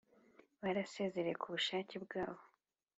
Barasezeye ku bushake bwabo